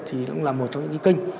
thì cũng là một trong những kênh